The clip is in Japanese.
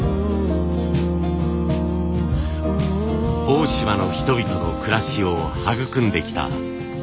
大島の人々の暮らしを育んできた椿。